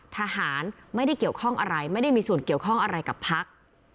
ทหารไม่ได้เกี่ยวข้องอะไรไม่ได้มีส่วนเกี่ยวข้องอะไรกับพัก